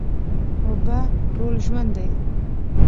اوبه ټول ژوند دي.